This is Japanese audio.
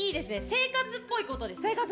生活っぽいことです。